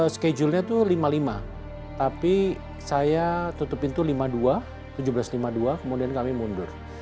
schedule nya itu lima puluh lima tapi saya tutup pintu lima puluh dua tujuh belas lima puluh dua kemudian kami mundur